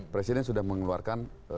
presiden sudah mengeluarkan